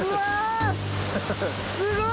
すごい！